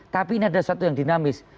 tapi ini ada sesuatu yang dinamis